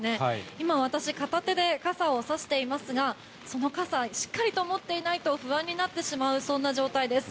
今、私片手で傘を差していますがその傘しっかりと持っていないと不安になってしまうそんな状態です。